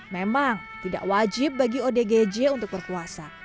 memang tidak wajib bagi odgj untuk berpuasa